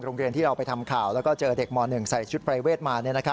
โรงเรียนที่เราไปทำข่าวแล้วก็เจอเด็กม๑ใส่ชุดปรายเวทมา